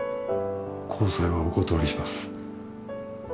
交際はお断りします